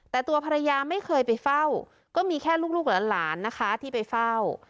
แต่ตัวภรรยาไม่เคยไปเฝ้าก็มีแค่ลูกหลานนะคะที่ไปเฝ้า